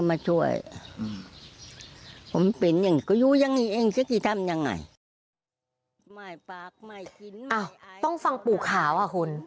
อ้าวต้องฟังปู่ขาวคุณ